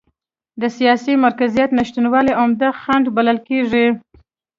د سیاسي مرکزیت نشتوالی عمده خنډ بلل کېږي.